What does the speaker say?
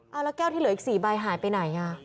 เอาแล้วแก้วที่เหลืออีก๔ใบหายไปไหน